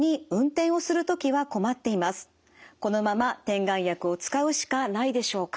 このまま点眼薬を使うしかないでしょうか？